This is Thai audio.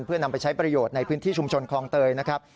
เพื่อนำไปใช้ประโยชน์ในพื้นที่ชุมชนคลองเตยนะครับ